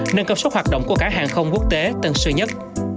nâng cấp sốc hoạt động của cả hàng không quốc tế tân sự nhất